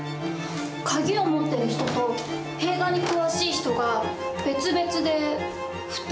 鍵を持ってる人と映画に詳しい人が別々で２人。